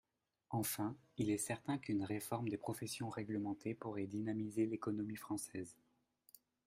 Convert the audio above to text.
Enfin, il est certain qu’une réforme des professions réglementées pourrait dynamiser l’économie française.